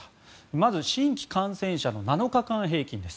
まず、新規感染者の７日間平均です。